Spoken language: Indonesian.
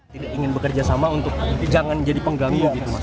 tidak ingin bekerjasama untuk jangan jadi pengganggu